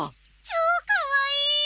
超かわいい！